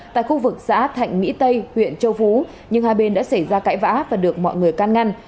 tại khu vực xã thạnh mỹ tây huyện châu phú nhưng hai bên đã xảy ra cãi vã và được mọi người can ngăn